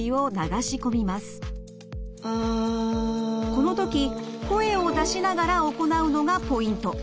この時声を出しながら行うのがポイント。